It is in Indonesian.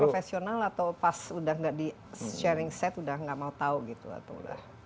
profesional atau pas udah nggak di sharing set udah nggak mau tahu gitu atau udah